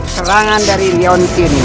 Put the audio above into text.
serangan dari nionkin